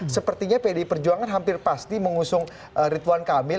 sepertinya pdi perjuangan hampir pasti mengusung ridwan kamil